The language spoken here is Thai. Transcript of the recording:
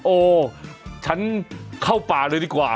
โอ้ฉันเข้าป่าเลยดีกว่า